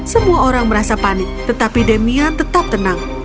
semua orang merasa panik tetapi demia tetap tenang